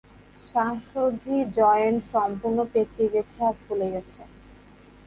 শ্বাসরোধী joint সম্পূর্ণ পেঁচিয়ে গেছে আর ফুলে গেছে।